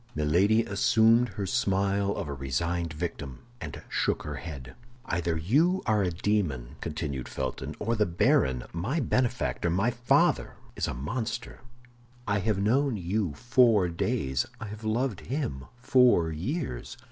Milady assumed her smile of a resigned victim, and shook her head. "Either you are a demon," continued Felton, "or the baron—my benefactor, my father—is a monster. I have known you four days; I have loved him four years.